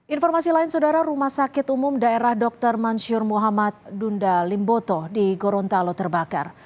informasi lain saudara rumah sakit umum daerah dr mansyur muhammad dunda limboto di gorontalo terbakar